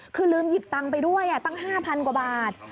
คือลืมหยิบตังค์ไปด้วยตั้ง๕๐๐กว่าบาท